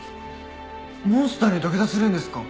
モンスターに土下座するんですか？